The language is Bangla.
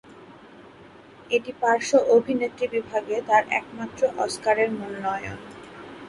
এটি পার্শ্ব অভিনেত্রী বিভাগে তার একমাত্র অস্কারের মনোনয়ন।